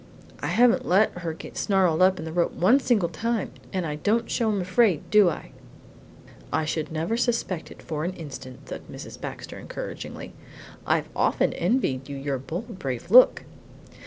I haven't let her get snarled up in the rope one single time, and I don't show I'm afraid, do I?" "I should never suspect it for an instant," said Mrs. Baxter encouragingly. "I've often envied you your bold, brave look!"